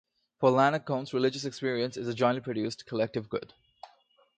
For Iannaccone's religious experience is a jointly produced collective good.